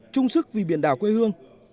trung sức vì biển đảo quê hương